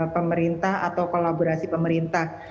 pemerintah atau kolaborasi pemerintah